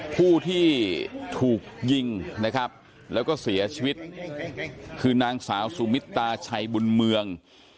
ผู้ที่ถูกยิงนะครับแล้วก็เสียชีวิตคือนางสาวสุมิตาชัยบุญเมือง